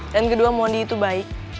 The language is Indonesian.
dan kedua mondi itu baik